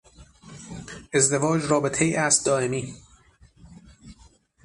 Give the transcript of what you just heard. ازدواج رابطهای است دائمی.